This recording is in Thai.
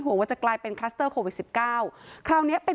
ว่าจะกลายเป็นคลัสเตอร์โควิดสิบเก้าคราวเนี้ยเป็น